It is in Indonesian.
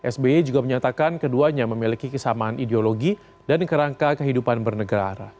sby juga menyatakan keduanya memiliki kesamaan ideologi dan kerangka kehidupan bernegara